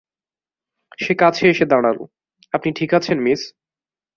সে কাছে এসে দাঁড়ালো, - আপনি ঠিক আছেন, মিস?